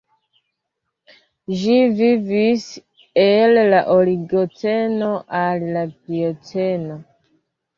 Ĝi vivis el la Oligoceno al la Plioceno.